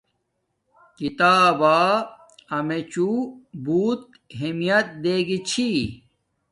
کتابا امیڎو بوت اہمیت دے گی چھی